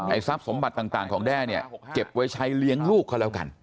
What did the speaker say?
ทรัพย์สมบัติต่างของแด้เนี่ยเก็บไว้ใช้เลี้ยงลูกเขาแล้วกัน